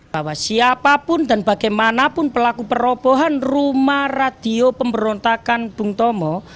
bahwa siapapun dan bagaimanapun pelaku perobohan rumah radio pemberontakan bung tomo